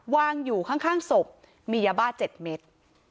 วางอยู่ข้างศพมียาบ้า๗เม็ด